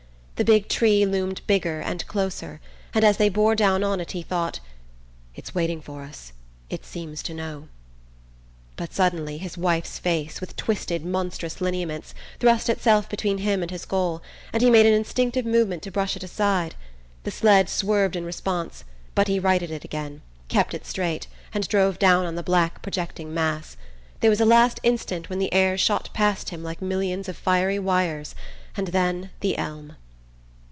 The big tree loomed bigger and closer, and as they bore down on it he thought: "It's waiting for us: it seems to know." But suddenly his wife's face, with twisted monstrous lineaments, thrust itself between him and his goal, and he made an instinctive movement to brush it aside. The sled swerved in response, but he righted it again, kept it straight, and drove down on the black projecting mass. There was a last instant when the air shot past him like millions of fiery wires; and then the elm...